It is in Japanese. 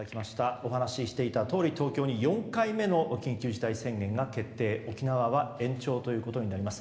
お話をしていたとおり東京に４回目の緊急事態宣言が決定となり沖縄は延長となります。